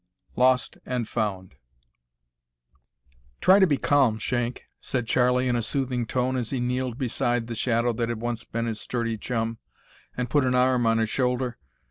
LOST AND FOUND. "Try to be calm, Shank," said Charlie, in a soothing tone, as he kneeled beside the shadow that had once been his sturdy chum, and put an arm on his shoulder.